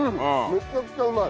めちゃくちゃうまい！